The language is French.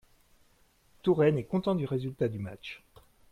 Tout Rennes est content du résultat du match.